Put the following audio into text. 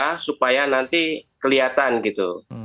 itu terbuka supaya nanti kelihatan gitu